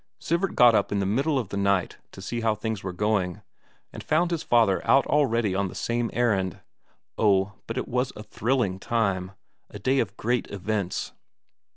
Sivert got up in the middle of the night to see how things were going, and found his father out already on the same errand. Oh, but it was a thrilling time a day of great events!